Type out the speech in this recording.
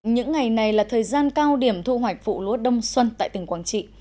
những ngày này là thời gian cao điểm thu hoạch vụ lúa đông xuân tại tỉnh quảng trị